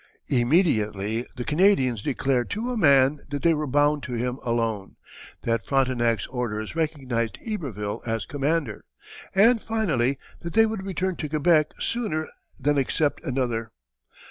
Immediately the Canadians declared to a man that they were bound to him alone, that Frontenac's orders recognized Iberville as commander, and finally, that they would return to Quebec sooner than accept another.